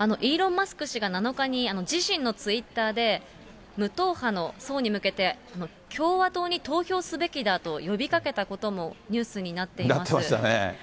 イーロン・マスク氏が、７日に自身のツイッターで、無党派の層に向けて、共和党に投票すべきだと、呼びかけたこともニュースなってましたね。